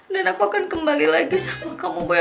dan aku akan kembali lagi sama kamu boy